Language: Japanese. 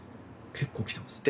結構来てますね。